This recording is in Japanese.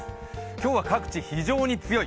今日は各地、非常に強い。